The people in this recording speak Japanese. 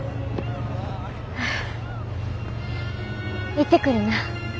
行ってくるな。